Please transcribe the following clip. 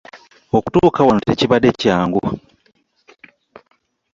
Okutuuka wano tekibadde kyangu.